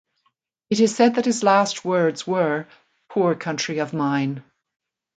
It is said that his last words were "poor country of mine".